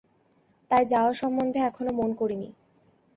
তাই যাওয়া সম্বন্ধে এখনও মন করিনি।